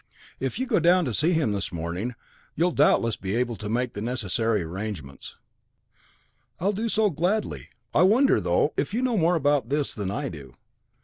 If you go down to see him in the morning, you'll doubtless be able to make the necessary arrangements." "I'll do so gladly. I wonder, though, if you know more about this than I do.